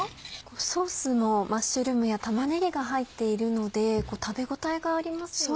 ソースもマッシュルームや玉ねぎが入っているので食べ応えがありますよね。